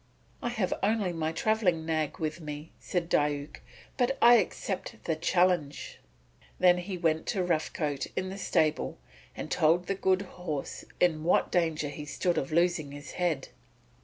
"I have only my travelling nag with me," said Diuk, "but I accept the challenge." Then he went to Rough Coat in the stable and told the good horse in what danger he stood of losing his head.